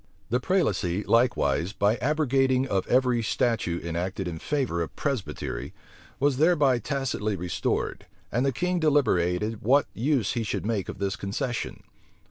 The prelacy likewise, by the abrogating of every statute enacted in favor of Presbytery, was thereby tacitly restored; and the king deliberated what use he should make of this concession.